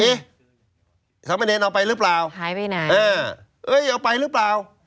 เงินทองหายไปเอ๊ะสำเร็จเอาไปหรือเปล่าหายไปไหนเอ้อเอ้ยเอาไปหรือเปล่า